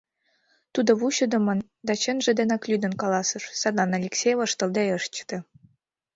Тудо вучыдымын да чынже денак лӱдын каласыш, садлан Алексей воштылде ыш чыте.